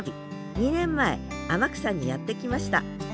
２年前天草にやって来ました。